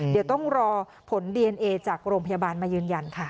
เดี๋ยวต้องรอผลดีเอนเอจากโรงพยาบาลมายืนยันค่ะ